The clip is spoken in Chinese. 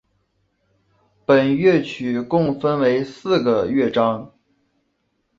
本乐曲共分为四个乐章。